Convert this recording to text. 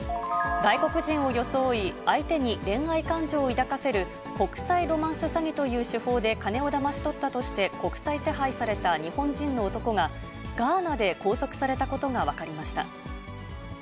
外国人を装い、相手に恋愛感情を抱かせる国際ロマンス詐欺という手法で金をだまし取ったとして国際手配された日本人の男が、ガーナで拘束されたことが分かりました。